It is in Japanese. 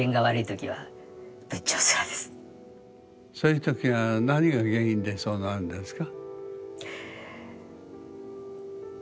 そういう時は何が原因でそうなるんですか？